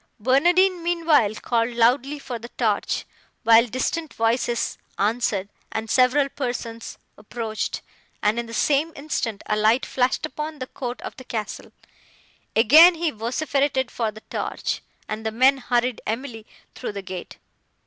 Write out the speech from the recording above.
Barnardine, meanwhile, called loudly for the torch, while distant voices answered, and several persons approached, and, in the same instant, a light flashed upon the court of the castle. Again he vociferated for the torch, and the men hurried Emily through the gate.